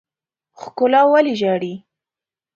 ښکلا ولې ژاړي.